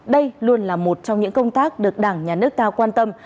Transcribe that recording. đây luôn là một trong những công tác được đảng nhà nước ta quan tâm